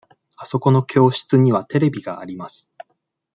あそこの教室にはテレビがあります。